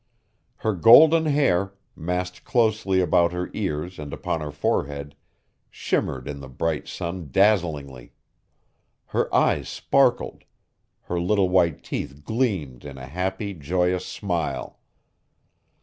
Her golden hair, massed closely about her ears and upon her forehead, shimmered in the bright sun dazzlingly; her eyes sparkled; her little white teeth gleamed in a happy, joyous smile.